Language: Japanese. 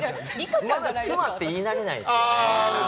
まだ妻って言い慣れないんですね。